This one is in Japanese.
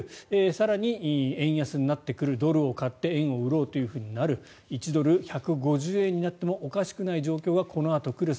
更に円安になってくるドルを買って円を売ろうとなる１ドル＝１５０円になってもおかしくない状況がこのあと来る